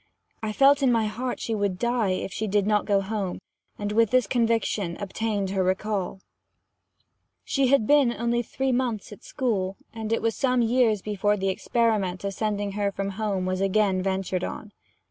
I felt in my heart she would die, if she did not go home, and with this conviction obtained her recall. She had only been three months at school; and it was some years before the experiment of sending her from home was again ventured on.